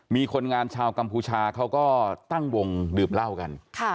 มีคนงานชาวกัมพูชาเขาก็ตั้งวงดื่มเหล้ากัน